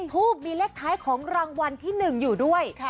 ทูปมีเลขท้ายของรางวัลที่๑อยู่ด้วย